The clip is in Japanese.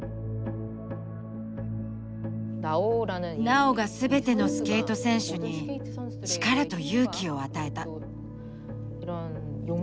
ナオが全てのスケート選手に力と勇気を与えた。